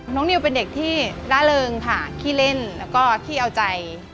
นิวเป็นเด็กที่ร่าเริงค่ะขี้เล่นแล้วก็ขี้เอาใจ